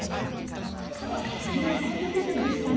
ねえこんなことできる？